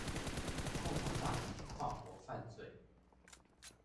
共同打擊跨國犯罪